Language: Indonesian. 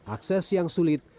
akses yang sulit